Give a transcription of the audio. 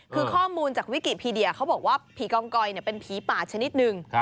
คือข้อมูลจากวิกิพีเดียเขาบอกว่าผีกองกอยเป็นผีป่าชนิดหนึ่ง